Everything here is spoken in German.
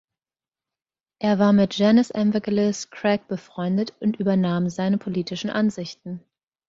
Er war mit Janez Evangelist Krek befreundet und übernahm seine politischen Ansichten.